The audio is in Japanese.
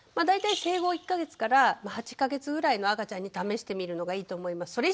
大体生後１か月から８か月ぐらいの赤ちゃんに試してみるのがいいと思います。